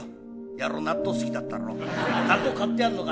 野郎納豆好きだったろ納豆買ってあんのか？